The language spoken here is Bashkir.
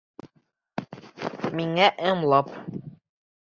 Миңә ымлап: